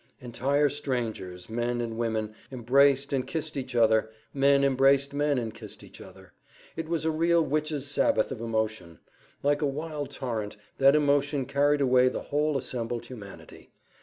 Entire strangers, men and women, embraced and kissed each other; men embraced men and kissed each other. It was a real witches' sabbath of emotion; like a wild torrent, that emotion carried away the whole assembled humanity.